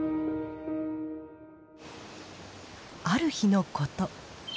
ある日のこと。